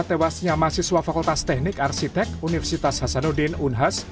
tewasnya mahasiswa fakultas teknik arsitek universitas hasanuddin unhas